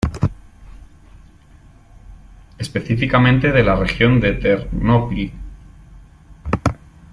Específicamente de la región de Ternópil.